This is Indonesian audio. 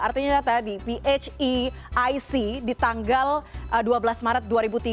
artinya data di phic di tanggal dua belas maret dua ribu tiga